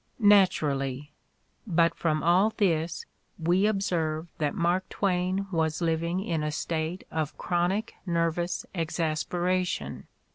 Naturally; but from all this we observe that Mark Twain was liv ing in a state of chronic nervous exasperation.